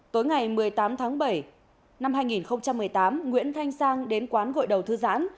tối ngày một mươi tám tháng bảy năm hai nghìn một mươi tám nguyễn thanh sang đến quán gội đầu thư giãn